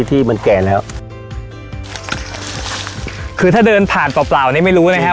ที่มันแก่แล้วคือถ้าเดินผ่านเปล่าเปล่านี่ไม่รู้นะฮะ